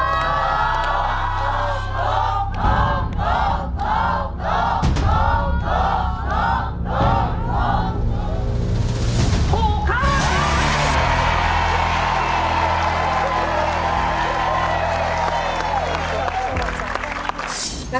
ขอบคุณครับ